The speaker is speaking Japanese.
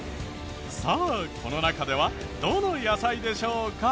さあこの中ではどの野菜でしょうか？